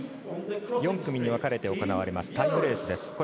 ４組に分かれて行われるタイムレースです。